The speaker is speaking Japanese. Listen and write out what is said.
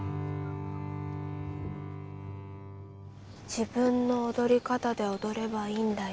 自分の踊り方で踊ればいいんだよ。